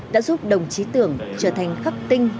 đã giúp đồng chí tưởng trở thành khắp tinh